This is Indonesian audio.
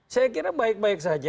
saya kira baik baik saja